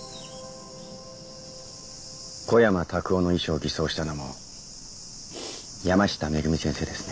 小山卓夫の遺書を偽装したのも山下めぐみ先生ですね。